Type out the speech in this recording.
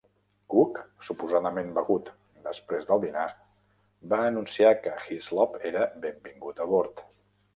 Cook, suposadament begut després del dinar, va anunciar que Hislop era "benvingut a bord".